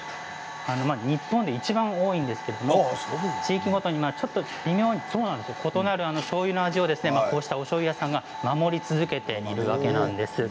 日本でいちばん多いんですけれども、地域ごとに微妙に異なるしょうゆの味をこうしたおしょうゆ屋さんが守り続けているわけなんです。